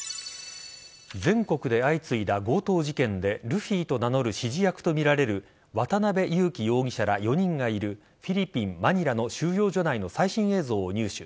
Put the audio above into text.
全国で相次いだ強盗事件でルフィと名乗る指示役とみられる渡辺優樹容疑者ら４人のいるフィリピン・マニラの収容所内の最新映像を入手。